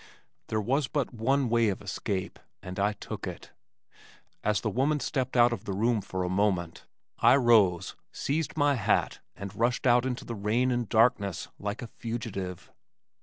There was but one way of escape and I took it. As the woman stepped out of the room for a moment, I rose, seized my hat and rushed out into the rain and darkness like a fugitive.